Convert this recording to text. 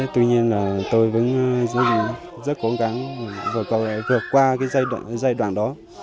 tuy nhiên tôi vẫn rất cố gắng vượt qua giai đoạn đó